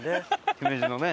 姫路のね。